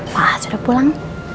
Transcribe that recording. mas sudah pulang